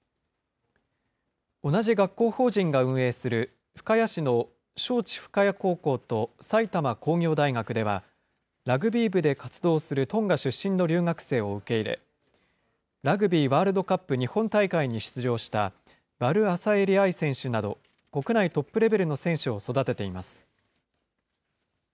同じ学校法人が運営する、深谷市の正智深谷高校と埼玉工業大学では、ラグビー部で活動するトンガ出身の留学生を受け入れ、ラグビーワールドカップ日本大会に出場した、ヴァルアサエリ愛選手など、国内トップレベルの選手を育てています。